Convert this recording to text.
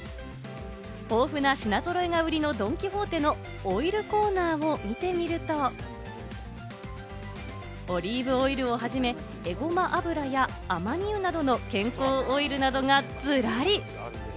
豊富な品ぞろえが売りのドン・キホーテのオイルコーナーを見てみると、オリーブオイルをはじめ、えごま油やアマニ油などの健康オイルなどがズラリ。